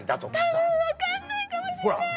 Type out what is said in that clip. たぶん分かんないかもしれない。